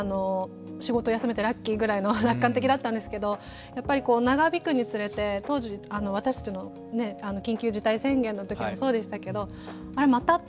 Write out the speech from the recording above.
仕事を休めてラッキーぐらいの楽観的だったんですけど長引くにつれて、当時、私たちも緊急事態宣言のときそうでしたけど、あれ、また？